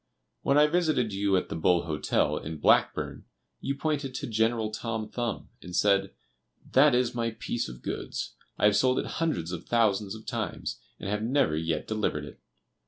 When I visited you at the Bull Hotel, in Blackburn, you pointed to General Tom Thumb, and said: "That is my piece of goods; I have sold it hundreds of thousands of times, and have never yet delivered it!"